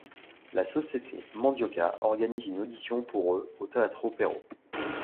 La société Mandioca organise une audition pour eux au Teatro Payró.